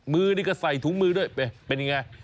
มือนี่ก็ใส่ถุงมือด้วยเป็นยังไง